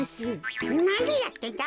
なにやってんだ？